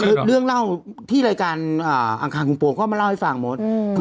คือเรื่องเล่าที่รายการอังคารกรุงโปเขามาเล่าให้ฟังหมด